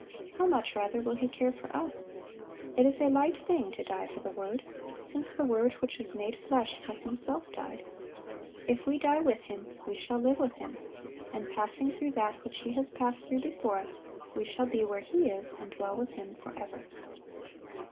How much rather will He care for us! It is a light thing to die for the Word, since the Word which was made flesh hath Himself died. If we die with Him, we shall live with Him; and passing through that which He has passed through before us, we shall be where He is and dwell with Him forever."